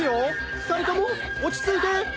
二人とも落ち着いて。